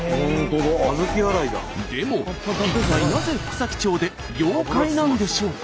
でも一体なぜ福崎町で妖怪なんでしょうか？